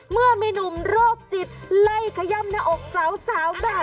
เมื่อมีหนุ่มโรคจิตไล่ขย่ำหน้าอกสาวแบบ